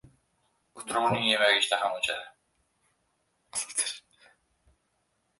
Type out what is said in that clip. Kutubxonalar soni o‘n besh baravar kamayib ketgan